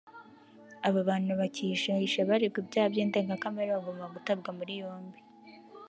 aba bantu bakihishahisha baregwa ibyaha by’indengakamere bagomba gutabwa muri yombi